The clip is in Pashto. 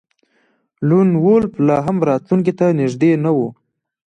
لون وولف لاهم راتلونکي ته نږدې نه و